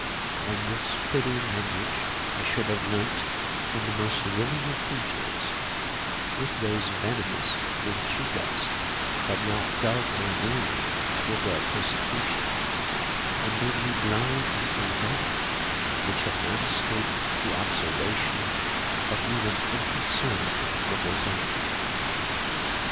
And this pretty language I should have learnt from the most willing of teachers, if those venomous vinchucas had not dulled my brain with their persecutions and made me blind to a matter which had not escaped the observation of even unconcerned lookers on.